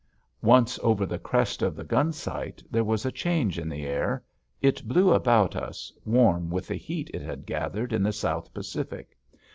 Once over the crest of the Gunsight, there was a change in the air. It blew about us, warm with the heat it had gathered in the South Pacific.